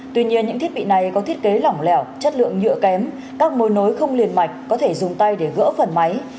tuy nhiên những thiết bị này có thiết kế lỏng lẻo chất lượng nhựa kém các mối nối không liền mạch có thể dùng tay để gỡ phần máy